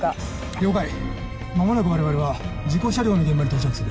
了解間もなく我々は事故車両の現場に到着する。